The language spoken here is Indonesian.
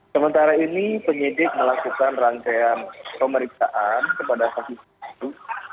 sementara ini penyidik melakukan rangkaian pemeriksaan kepada satu satu